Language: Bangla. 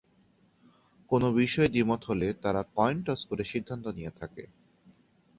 কোনো বিষয়ে দ্বিমত হলে তারা কয়েন টস করে সিদ্ধান্ত নিয়ে থাকে।